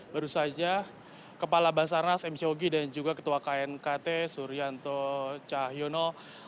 baru saja kepala basarnas m syogi dan juga ketua knkt suryanto cahyono